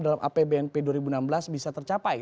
dalam apbnp dua ribu enam belas bisa tercapai